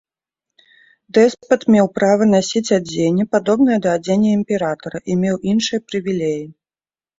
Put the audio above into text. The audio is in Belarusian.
Дэспат меў права насіць адзенне, падобнае да адзення імператара, і меў іншыя прывілеі.